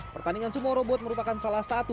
pertandingan semua robot merupakan salah satu